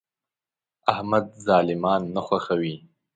احمد ظالمان نه خوښوي.